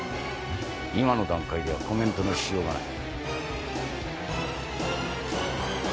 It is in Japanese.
今の段階ではコメントのしようがない。